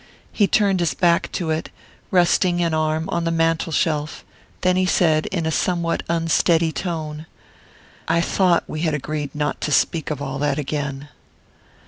He turned his back to it, resting an arm on the mantel shelf; then he said, in a somewhat unsteady tone: "I thought we had agreed not to speak of all that again."